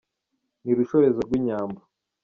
Ni rushorezo rw’inyambo